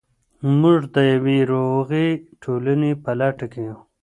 موږ د يوې روغي ټولني په لټه کي يو.